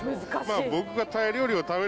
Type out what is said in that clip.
僕が。